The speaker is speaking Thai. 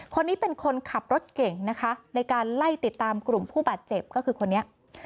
คนนี้เป็นคนขับรถเก่งนะคะในการไล่ติดตามกลุ่มผู้บาดเจ็บก็คือคนนี้